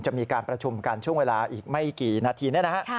จะมีการประชุมกันช่วงเวลาอีกไม่กี่นาทีเนี่ยนะฮะ